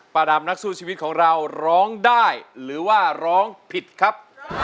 ดำนักสู้ชีวิตของเราร้องได้หรือว่าร้องผิดครับ